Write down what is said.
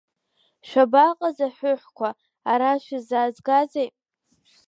Шәабаҟаз, аҳәыҳәқәа, ара шәысзаазгазеи?